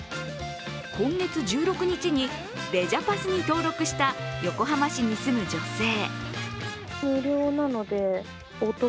今月１６日にレジャパス！に登録した横浜市に住む女性。